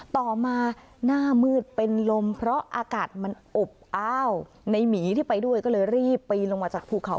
ต่อมาหน้ามืดเป็นลมเพราะอากาศมันอบอ้าวในหมีที่ไปด้วยก็เลยรีบปีนลงมาจากภูเขา